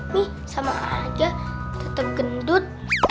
nih sama aja tetap gendut